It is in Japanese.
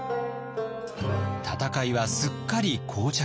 戦いはすっかりこう着状態。